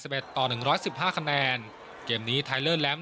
เอ็ดต่อหนึ่งร้อยสิบห้าคะแนนเกมนี้ไทยเลิศแลม